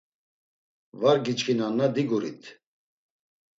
Var giçkinanna digurit.